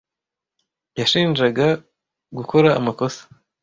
Yanshinjaga gukora amakosa.